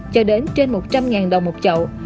cho đến trên một trăm linh đồng một chậu